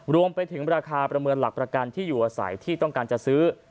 รวมไปถึงราคาประเมินหลักประกันที่อยู่อาศัยที่ต้องการจะซื้อ